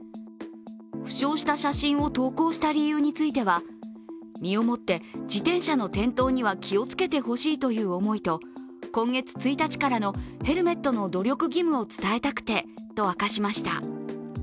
負傷した写真の投稿した理由については身をもって自転車の転倒には気をつけてほしいという思いと今月１日からのヘルメットの努力義務を伝えたくてと明かしました。